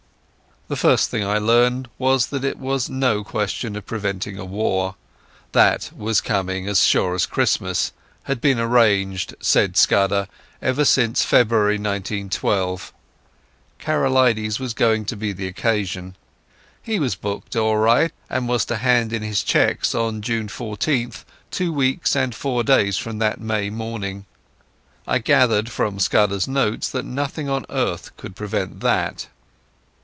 The first thing I learned was that it was no question of preventing a war. That was coming, as sure as Christmas: had been arranged, said Scudder, ever since February 1912. Karolides was going to be the occasion. He was booked all right, and was to hand in his checks on June 14th, two weeks and four days from that May morning. I gathered from Scudder's notes that nothing on earth could prevent that.